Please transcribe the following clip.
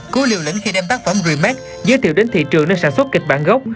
cứu liều lĩnh khi đem tác phẩm remake giới thiệu đến thị trường nên sản xuất kịch bản gốc